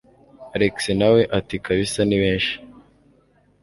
alex nawe ati kabsa nibenshi